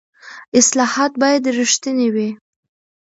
اصلاحات باید رښتیني وي